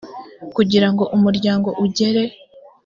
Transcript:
kugira ngo umuryango ugere